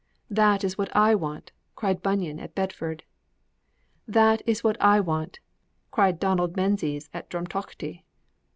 'That is what I want!' cried Bunyan at Bedford. 'That is what I want!' cried Donald Menzies at Drumtochty.